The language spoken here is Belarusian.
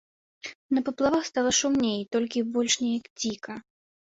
На паплавах стала шумней, толькі больш неяк дзіка.